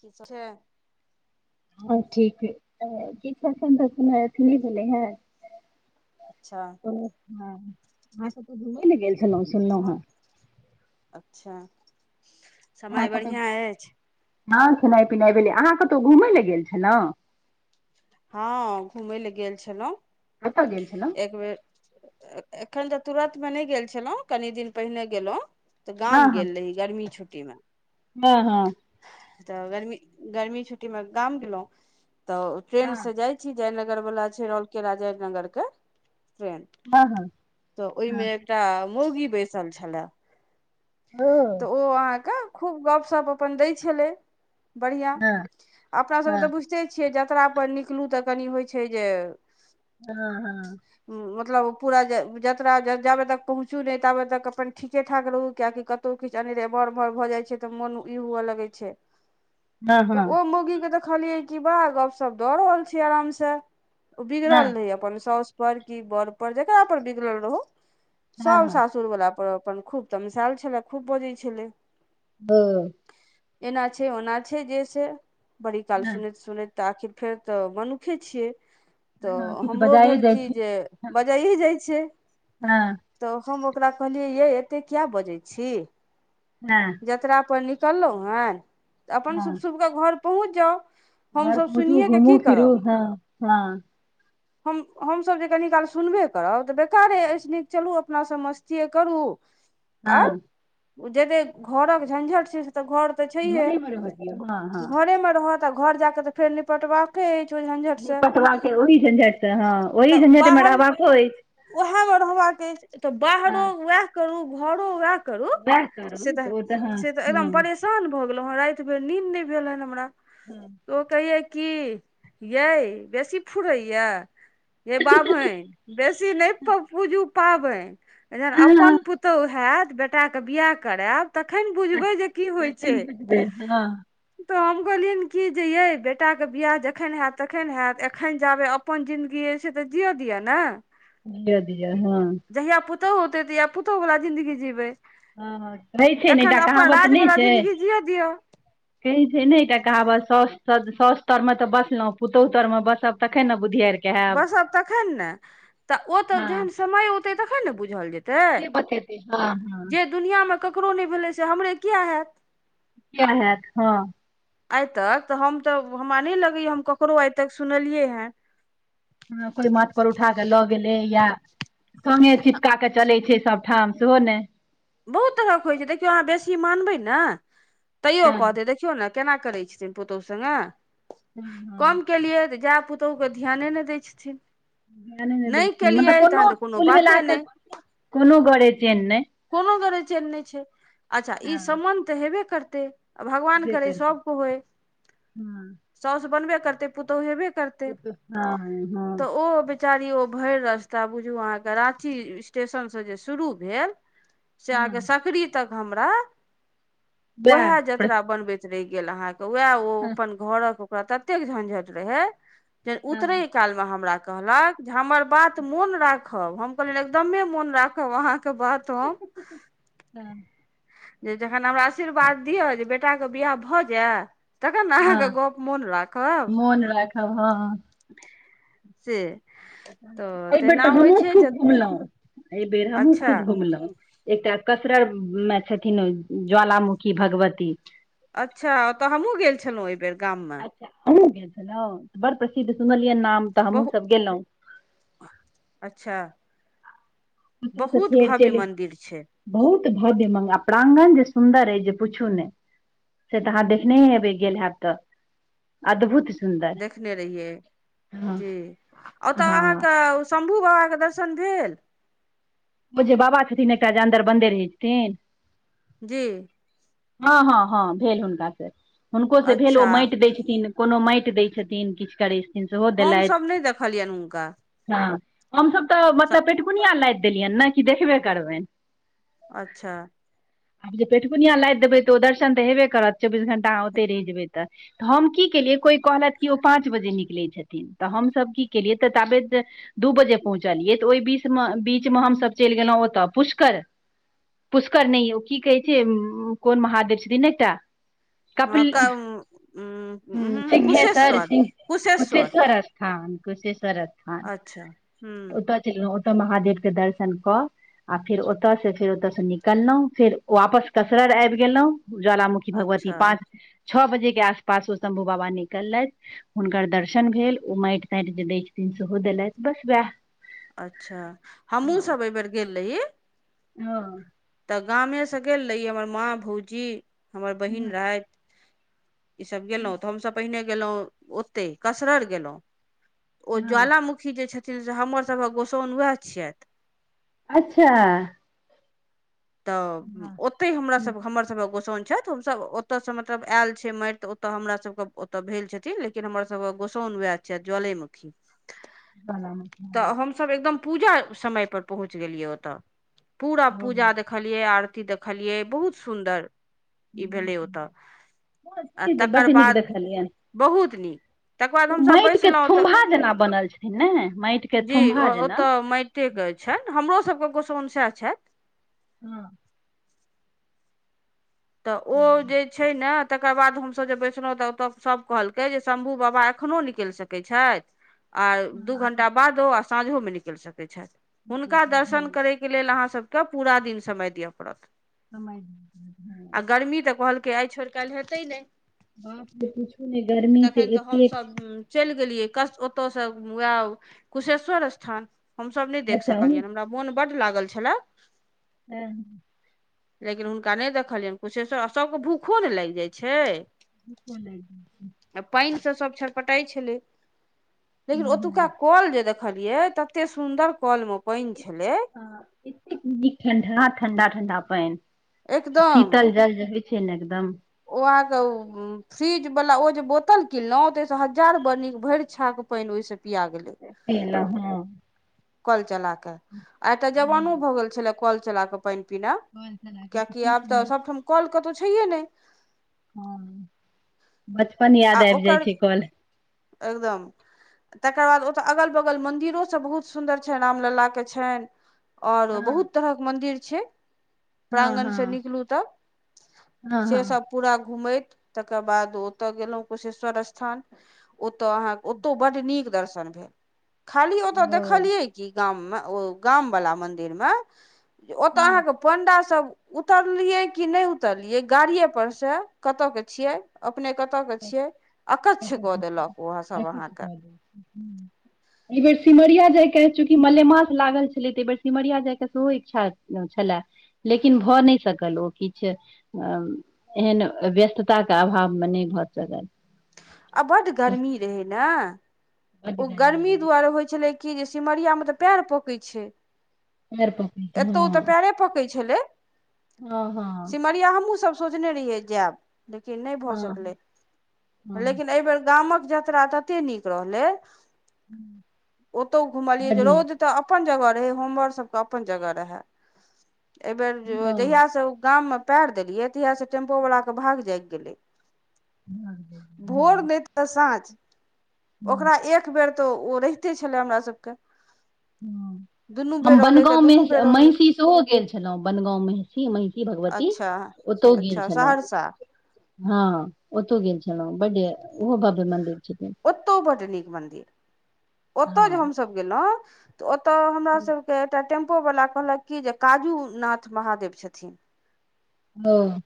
की सब है हँ ठीक क पस [unintelligible] अपथि भेलै ह अच्छा अहां सब त घुमए लए गेल छलहुँ सुनलहुँ हँ हं अच्छा समय अहाँ कतहु बढ़ियां अछि हँ खेनाइ पिनाइ भेलै अहाँ कतहु घूमय लए गेल छलौं हँ घूमय लए गेल छलहुँं कत्त गेल छलहुं एक बेेर एखन तऽ तुरत मे नहि गेल छलहुँ कनि दिन पहिने गेलहुँ तऽ गाम गेल रही गर्मी छुट्टी मे में हँ तऽ गर्मी गर्मी छुट्टी मे गाम गेलहुं तऽ ट्रेन हँ से जाइत जयनगर वला छै रौलकेला जयनगर के हँ हँ तऽ ओहिमे एकटा मौगी बैसल छलए ओ तऽ ओ अहाँके खूब गपशप अपन दय छले बढ़िया हँ अपना सब हँ के त बुझ ते छियै जतरा पर निकलू तऽ कनि होइ छै जे हँ हँ मतलब ओ पूरा जे जतरा जाबे तक पहुँचू नहि ताबे तक अपन ठीके ठाक रहू कियाकि क क किछु अनीरे मर मर भऽ जाइ छै तऽ मोन ई हुए लगै छै हँ तऽ हँ ओ मौगीके तऽ देखलियै कि बड़ा गप सप दऽ रहल छियै आरामसँ ओ बिगड़ल हँ रहै अपन साउस पर कि बड़ पर जकरा पर बिगड़ल रहै हँ सभ हँ सासुर वला पर अपन खूब तमसायल छलै खूब बजै छलै ह एना छै ओना छै जे से बड़ी हँ काल सुनैत सुनैत तऽ आखिर फेर तऽ मनुखे छियै तऽ हँ किछु हमरो बजाए भेल जाइ कि छै जे बजाइए जाइ छै हँ तऽ हम ओकरा कहलियैयेै एतेक किया बजै छी? हँ जतरा पहर निकललहुॅं हैंए तऽ अपन हँ शुभ-शुभ कऽ घर पहुँच जाउ घर हमसभ पहुँचू, सुनिए कऽ घुमू की फिरू। करब हँ हँ हम हमसब जे कनी काल सुनबे करब तऽ बेकारे अछि, नीक चलु अपना सब मस्तिये करू। आर हँ जेतै घरक झंझट छै से तऽ घर तऽ छैहे घरेमे रहऽ दियौ हँ हँ घरेमे रहत आ घर जाकऽ तऽ फेर निपटबाके अछि ओ झंझट निपटबाके ओहि झंझट से हँ ओहि झंझटमे रहबाको अछि उएहामे रहबाक अछि तऽ बाहरो हँ उएह करू घरो वएह करू वएह से करू तऽ ओ हँ से तऽ एकदम परेशान भऽ गेलहु हन राति भर निन्द नहि भेल हन हमरा। हूँ तऽ ओ कहियै कि यै बेसी फुरैइए। हे बाभनि बेसी नहि पूजू पाबनि। जहन हँ अपन पुतोहु हैतत बेटाके बियाह करायब तखन बुझबै जे की होइ छै तखन बुझबै हँ तऽ हम कहलियनि कि जे ये बेटाके बियाह जखन हैत तखन हैत, एखन जाबे अपन जिनगी अछि से तऽ जिअ दिअ ने लिय दिअ हॅं [unintelligible] जहिया पुतोहु होेतै तहिया पुतोहु वाला जिन्दगी जीबै। हँ रहै छै ने एखन एकटा तऽ अपन कहावत राज नहि वला छै जिन्दगी जियअ दियौ कहै छै ने एकटा कहावत साउस साउस तरमे तऽ बसलहुॅं पुतोहु तरमे बसब तखन ने बुधियारि! बसब तखन ने तऽ ओ तऽ हँ जहन समय ओतै तखन ने बुझल जेतै तै से बतेतै हँ हँ जे दुनियामे ककरो नहि भेलै से हमरे किया हैत? किया हैत, हँ आइ तक तऽ हम तऽ हमरा नहि लगैए, हम ककरो आइ तक सुनलियै हेँ हँ, कोई माथ पर उठा के लऽ गेलै या सोने चिपका के चलै छै सब ठाम सेहो ने! बहुत तरहक होइ छै देखियौ अहाँ बेसी मानबै ने तैयो हँ कहत देखियौ ने केना करै छथिन पतहु संगे? हँ हँ कम केलियै जैह पुतोहु के तऽ ध्यान नहि दै छथिन। ध्याने नै दै नहि छै, केलियै मतलब कोनो तहन तऽ कुल बाते नहि मिलाके कोनो गरे चैन नहि कोनो गरे चैन नहि छै। अच्छा ई हँ सम्बन्ध तऽ हेबे करतै आ भगवान हेबे करे करतै सब को होय। हँ साउस बनबे करतै पुतोहु हेबे करतै। ओ तऽ हँ तै हँ तऽ ओ बेचारि ओ भरि रास्ता बुझू अहाँके राँची स्टेशनसँ जे शुरू भेल से अहाँके हँ सकरी तक हमरा वएह उएह जतरा बनबैत रहि गेल अहाँके वएह ओ हँ अपन घरक ओकरा ततेक झंझट रहै जे हँ उतरै कालमे हमरा कहलक जे हमर बात मोन राखब हम कहलियनि एकदमे मोन राखब अहाँके बात तऽ हँ जे जखन हमरा आशीर्वाद दिअ जे बेटाके बियाह भऽ जाय तखन ने हँ अहाँके गप मोन राखब, मोन राखब हँ से तऽ एहि बेेर तेना तऽ होइ हमहूँ छै जे खूब घुमलहुँ, एहि बेेर हमहूँ अच्छा खूब घुमलहुँ। एकटा कसररमे छथिन ज्वालामुखी भगवती अच्छा ओतऽ हमहुँ गेल छलहुँ एहि बेर गाममे ऐं, अहूँ गेल छलहुँ बड़ प्रसिद्ध सुनलियै नाम तऽ हमहूँ बहुत, सब गेलहुँ अच्छा ओतयसँ बहुत फेर भव्य चलि मन्दिर छै बहुत भव्य मग आ प्राङ्गण जे सुन्दर अइ जे पुछू नइ से तऽ अहाँ देखने हेबै गेल हैब तऽ अद्भुत सुन्दर देखने रहियै हँ जी ओतऽ अहाँ हँ कऽ शम्भू बाबाके दर्शन भेल उ जे बाबा छथिन एकटा जे अन्दर बन्दे रहै छथिन जी हँ हँ हँ भेल हुनका सँ हुनको से भेल ओ अच्छा माटि दै छथिन कोनो माटि दै छथिन किछ करै छथिन सेहो देलैथ हमसभ नहि देखलियनि हुनका हँ हमसभ तऽ मतलब पेटकुनिया लादि देलियैन नऽ कि देखबे करबैन अच्छा आब जे पेटकुनिया लादि देबै तऽ ओ दर्शन तऽ हेबे करत चौबीस घंटा अहाँ ओते रहि जेबै तऽ तऽ हम की केलियै कोइ कहलथि कि ओ पाँच बजे निकलै छथिन तऽ हमसभ की केलियै तऽ ताबेत दू बजे पहुँचलियै तऽ ओहि बीचमे बीचमे हमसभ चलि गेलहुँ ओतय पुष्कर पुष्कर नहि ओ की कहै छै कोन महादेव छथिन एकटा कपिल सिंघहैसर कुशेश्वर सिंह कुशेश्वर कुसेसर स्थान कुशेश्वर स्थान अच्छा हूँ त ओतऽ चलि गेलहुँ ओतऽ महादेव के दर्शन कऽ आ फेर ओतय से फेर ओतयसँ निकललहुँ फेर वापस कसरर आबि गेलहुँ ज्वालामुखी भगवती अच्छा पाँच छ बजे के आसपास ओ शम्भू बाबा निकलथि हुनकर दर्शन भेल ओ माटि ताटि जे दै छथिन सेहो देलैथ बस वैह अच्छा हमहुँ सब एहि बेेर गेल रही हँ तऽ गामेसँ गेल रहि हमर माँ भौजी हमर बहिन रहैथि ई सब गेलहुँ तऽ हमसभ पहिने गेलहुँ ओते कसरर गेलहुँ ओ हँ ज्वालामुखी मुखी जे छथिन से हमरसभक गोसाउन वैह छियैथ अच्छा तऽ ओते हमरा सब हमर सब गोसाउन छथि हमस ओतय से मतलब आयल छै माटि त ओतऽ हमरा सबके ओतए भेल छथिन लेकिन हमर सब के गोसाउन वैह छियैथ ज्वलेमुखी [unintelligible] हमसब एकदम पुजा समय पर पहुच गेलिये ओतअ पुरा पुजा देख देखलियै आरती देखलियै बहुत सुन्दर ई भेलै ओतय आ तकर बड नीक बाद देखलियनि बहुत नीक तकर बाद ओ हमसभ माटि के बैसलहुँ तऽ थुम्भा जेना बनल छथिन ने माटि के जी थुम्भा जेना ओतऽ माइट कऽ छैन हमरो सभके गोसाउन सैह छैन हँ तऽ ओ हँ जे छै ने तकर बाद हमसभ जे बैसलहुँ तऽ ओतय सब कहलकै जे शम्भु बाबा एखनो निकलि सकै सकै छथि आ दू घंटा बादो आ साँझोमे निकैल सकैत छैथ हुनका दर्शन करयके लेल अहाँसभके पूरा दिन समय दिअ पड़त समय आ गर्मी तऽ कहलकै आइ छोड़ काल्हि हेतै नहि बाप रे पूछू नै गर्मी त तखन तऽ एतेक हमसभ चलि गेलियै ओतय से वएह कुशेश्वर स्थान हम सब नहि देख बचाउ सकलियै हमरा मोन बड्ड लागल छलैह हँ लेकिन हुनका नहि देखलियनि कुसेस्वर आ सभके भूखो नऽ लागि जाइ छै नुखो लाइग जाइ छै आ पानि से सब छरपटाई छलै लेकिन हँ ओतुका हँ कोल जे देख देखलिये तते सुंदर कल म पाइन छलै ह एतेक नीक ठण्डा ठण्डा ठण्डा पयन एकदम शीतल जल जे छैन एकदम ओ आहाँक फ्रिज वला ओ जे बोतल किनलहु ताहिसँ हजार बर नीक भरि छाक पानि ओहिसँ पिया गेलै हँ कल चला के आइटा हँ जवानो भऽ गेल छले कल चला कऽ पानि पिनय कल चला कऽ कियकि कते आब तऽ सुन्दर सबठाम कल कतहु छैये नहि हँ बचपन आ याद आबि जाइ ओकर छै कल एकदम तकर बाद ओतऽ अगल बगल मंदिरो सब बहुत सुन्दर छ रामलला के छनि आऔर हँ बहुत तरहक मंन्दिर छै हँ प्रांगण से हँ निकलू तब हँ से हँ सब पूरा घुमैत तकर बाद ओतय गेलहुँ कुशेश्वर स्थान ओतऽ अहाँके ओतौ बड नीक दर्शन भेल खाली ओतऽ देख ओ के कि गाम मे ओ गाम वला मन्दिर मे औत अहाँ हँ के पं्डा सब उतरलियै कि नहि उतरलियै गाड़िए पर से कतऽ के छियै अपने कतय के छियै अकच्छ कऽ कतहु देलक उएहसभ कतहु अहाँके कऽ दै छै। एहि बेर सिमरिया जायके चूँकि मलेमास लागल छलै तऽ एहि बेर सिमरिया जायके सेहो इच्छा छलाय लेकिन भऽ नहि सकल ओ किछ एहन व्यस्तताके अभावमे नहि भऽ सकल आ बड्ड गर्मी रहै न बड ओ गर्मी रहै दुआरे होइ छलै कि जे सिमरियामे तऽ पैर पकई छै पैर पकड़ि कऽ एतौ तऽ पैरे पके छलै हँ हँ सिमरिया हमहूँसभ सोचने रहियै जायब लेकिन नहि भऽ हँ सकलै हँ हँ लेकिन एहिबेर गामक यात्रा ततेक नीक रहलै ओतो बड घुमलिऐ नीक रौद तऽ अपन जगह रहै हमर सभके अपन जगह रहै एहिबेर हँ जहियासँ ओ गाममे पैर देल्ये तहिया से टेम्पु वला क भाग जाग गेले भाग गेल। भोर तऽ साँझ ह ओकरा एक बेर तऽ ओ रहिते छलै हमरा सभके ह दुनू बेर हम रहलै तऽ बनगाँवमे दुनू बेर रहलै महिषी सेहो गेल छलहुँ बनगाँव महिषी महिषी भगवती अच्छा ओतहु गेल अच्छा छलो सहरसा हँ ओतौ गेल छलो ने बड ओहो भाब्य मन्दिर छथिन ओतौ बड्ड हँ सब गेलो ओतय हमरा सब के एकटा टेम्पो वला कहलक की जे काजू नाथ महादेव छथिन हँ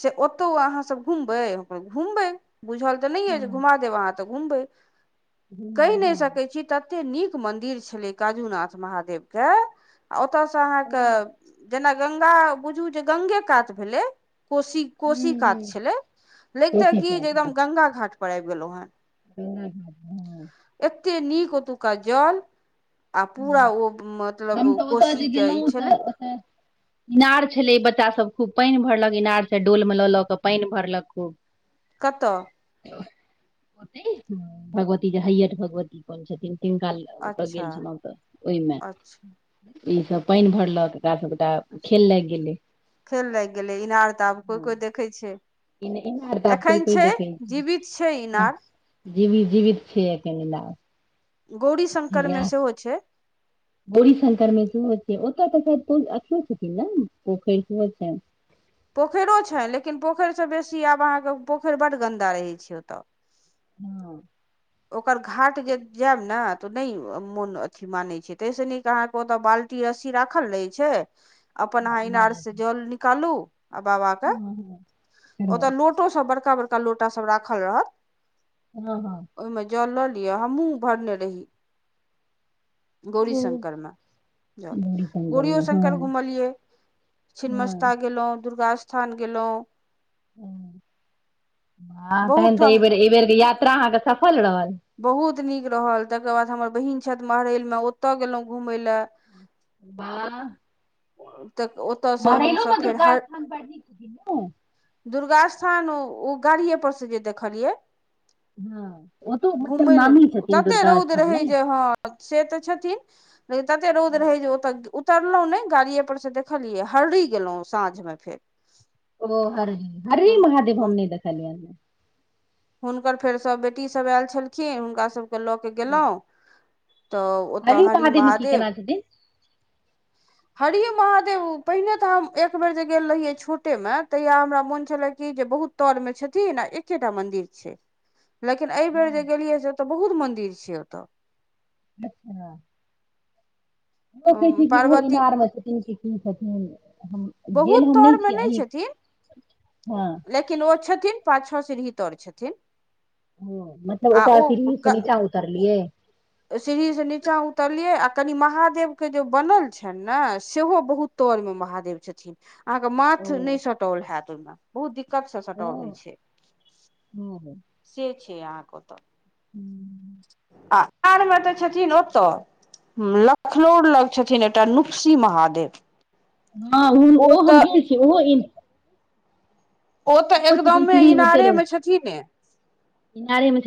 से ओतौ अहाँ सब घुमबै घुमबै बुझल तऽ नहि य हँ घुमा देब अहाँ त घूमबे कैध्य घुमबै नय हँ सकै छी तते नीक मंदिर छलै काजूनाथ महादेव के आ ओतय से अहाँके जेना गंगा बुझू जे गंगो कात भेलै कोशी हूँ कोशी कात हूँ छलै लगिते कोशी की कात जे एकदम गंगा घाट पर आबि गेलहु हेँ ह ह हँ एतेक नीक ओतुका जल आ पूरा ओ मतलब हम तऽ ओतय कोशी जे के ई गेलहुँ तऽ छले ओतय इनार छलै ई बच्चा सब खूब पानि भरलक इनार से डोल मे लऽ लऽ कऽ पानि भरलक खूब कतऽ ओते भगवती जे हैयठ भगवती करै छथिन तिनक ओतय गेल अच्छा छलहुँ तऽ ओहिमे अच्छा ईसभ पानि भरलक कात गोटा अच्छा खेल लाग गेलै खेल लागि गेलै इनार तऽ आब कोइ कोइ देखै छै एनार तऽबकइ एखन कोइ छै देखे जीवित छै इनार जीवी जीवित छै के एहन इनार गौरी शंकर मे सेहो छै बोरी शंकरमे सेहो छै ओतऽ तऽ शायद अथो छथिन ने पोखरि सेहो छै पोखरो छै लेकिन पोखरिसँ बेसी आब अहाँके पोखरि बड्ड गन्दा रहै छै ओतय हँ ओकर घाट जे जायब ने तऽ नहि मोन अथि मानै छै ताहिसँ नीक ओतऽ बाल्टी रस्सी राखल रहै छै अपन हँ अहाँ इनार इनारे से सँ जल निकालू आ बाबा के हँ हँ चढ़ल ओतऽ लोट लोटो सब बड़का बड़का लोटा सब राखल रहत हँ हँ ओहिमे जल लऽ लिय हमूँ भरने रही गौरी ओ शंकरमे ज गौरी शंकर मे गौरीयो हँ शंकर घुमलियै हँ छिन्मस्ता गेलहुँ दुर्गा स्थान गेलहुँ ह हँ बहुत तहन तऽ एहि ठाम बेर एहि बेेरके यात्रा अहाँके सफल रहल बहुत नीक रहल तकर बाद हमर बहीन छथ महैलमे ओतय गेलहुँ घूमय लेलए बाह तऽ ओ मरलू ने दुर्गा स्थान पर द दुर्गा स्थान ओ गाड़िए पर से जे देखलियै हँ ओतो मतलब घुमय ल नामी नहि छथिन तते दुर्गा रौद स्थान रहै ने जे ह से तऽ छथिन लेकिन तते रौद रहे जे ओतऽ उतरलहु नहि गाड़िए पर से देखलियै हरी गेलहुँं साँझ मे फेर ओ हरही‌ महादेव हम हुन नहि देखलियै हन हुनकर फेर सब बेटी सब आयल छलखिन हुनका सबके लऽ के हँ। गेलोह तऽ ओतय हररी हरि मे की महादेव केना छथिन हरि महादेव पहिने ते हम एक बेेर जे गेल रहिये छोटे मे तहिया हमरा मोन छलैह कि जे बहुत तर मे छथिन आ एकेटा मंदिर लेकिन एहि बेर जे हँ गेलियै से ओतय बहुत मंन्दिर छै ओतऽ हँ [unintelligible] लोक कहै छै कि ओहो पार्वती इनार मे छथिन कि की छथिन हम गेल बहुत हम नहि तर मे छी अहीं छथिन हँ ओ छथिन पाछओ सीढ़ी त आर छथिन ओ मतलब आ ओकरा ओ सीढ़ी से नीचा उतरलियै सीढ़ी से नीचाँ उतरलियै आ कनि महादेव के जे बनल छनि नहि सेहो बहुत तोर मे महादेव छथिन अहाँके ओ माथ नहि सटाओल होयत ओहिमे बहुत दिक्कतसँ ओ सटल होइ छै ओ से छै अहाँके ओतऽ [inaudible] आरमे तऽ छथिन ओ तऽ लखनौर लग छथिन एकटा नुपसी महादेव हँ ओ ओहो तऽ गेल खिन ओहो एलखिन ओ तऽ छथिन एकदमे सीढ़ी इनारे उतैर मे छथिने इनारे मेछ [unintelligible]